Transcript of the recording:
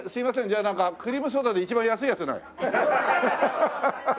じゃあなんかクリームソーダで一番安いやつない？